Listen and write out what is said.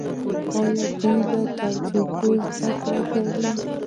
او د دوی له تجربو زده کړه کوي.